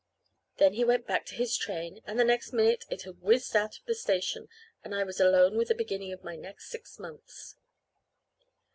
Then he went back to his train, and the next minute it had whizzed out of the station, and I was alone with the beginning of my next six months.